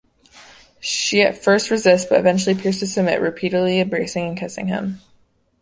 She at first resists but eventually appears to submit, repeatedly embracing and kissing him.